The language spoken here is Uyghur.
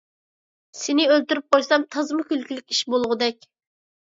سېنى ئۆلتۈرۈپ قويسام، تازىمۇ كۈلكىلىك ئىش بولغۇدەك.